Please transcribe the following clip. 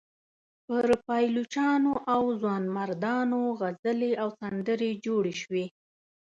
پر پایلوچانو او ځوانمردانو غزلې او سندرې جوړې شوې.